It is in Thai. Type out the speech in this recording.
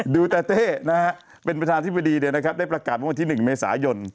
ดูแตเตเป็นประชาธิบดีได้ประกาศมาวันที่๑เมษายน